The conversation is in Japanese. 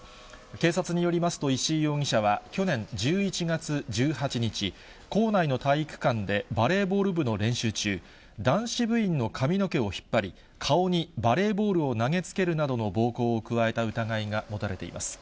警察によりますと、石井容疑者は去年１１月１８日、校内の体育館で、バレーボール部の練習中、男子部員の髪の毛を引っ張り、顔にバレーボールを投げつけるなどの暴行を加えた疑いが持たれています。